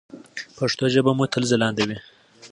پښتو ژبه مو تل ځلانده وي.